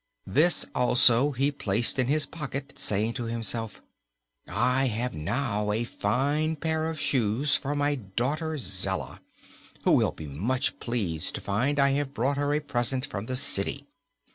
This also he placed in his pocket, saying to himself: "I have now a fine pair of shoes for my daughter Zella, who will be much pleased to find I have brought her a present from the city."